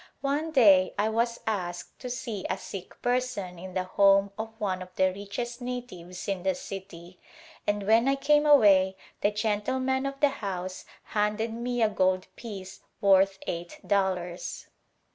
One day I was asked to see a sick person in the home of one of the richest natives in the city, and when I came away the gentleman of the house handed me a gold piece worth eight dollars.